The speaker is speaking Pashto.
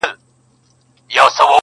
نه ادا سول د سرکار ظالم پورونه-